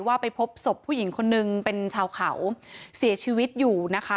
ไปพบศพผู้หญิงคนนึงเป็นชาวเขาเสียชีวิตอยู่นะคะ